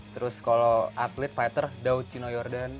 terus kalau atlet fighter daud chino yordan